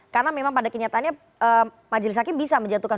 karena memang pada kenyataannya majelis hakim bisa menjatuhkan